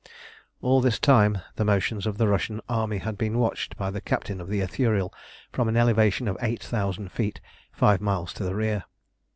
All this time the motions of the Russian army had been watched by the captain of the Ithuriel from an elevation of eight thousand feet, five miles to the rear.